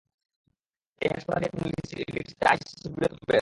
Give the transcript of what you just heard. এই হাসপাতালটি এখন লিসিটি-তে আইসিসির বৃহত্তম বেস।